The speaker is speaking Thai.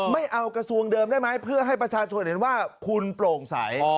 ไม่เอากระทรวงเดิมได้ไหมเพื่อให้ประชาชนเห็นว่าคุณโปร่งใส